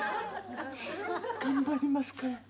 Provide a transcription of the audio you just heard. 頑張りますから。